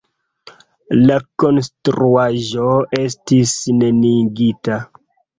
La konstruaĵo estis neniigita.